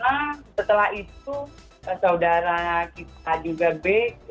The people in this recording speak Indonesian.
tidak lama setelah itu saudara kita juga b